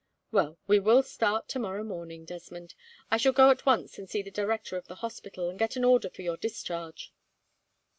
"Well, we will start tomorrow morning, Desmond. I shall go at once and see the director of the hospital, and get an order for your discharge."